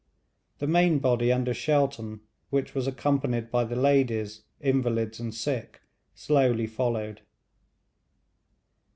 The main body under Shelton, which was accompanied by the ladies, invalids, and sick, slowly followed.